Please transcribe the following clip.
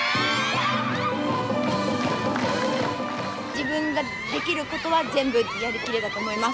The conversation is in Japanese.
自分ができることは全部やりきれたと思います。